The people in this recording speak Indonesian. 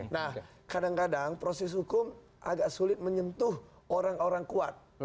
nah kadang kadang proses hukum agak sulit menyentuh orang orang kuat